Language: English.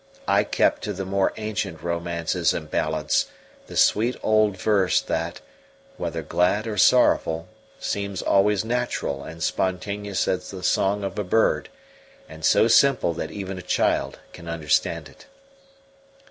I kept to the more ancient romances and ballads, the sweet old verse that, whether glad or sorrowful, seems always natural and spontaneous as the song of a bird, and so simple that even a child can understand it.